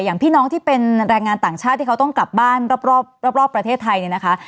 อย่างพี่น้องที่เป็นแรงงานต่างชาติที่เขาต้องกลับบ้านรอบประเทศไทยเนี่ยนะคะ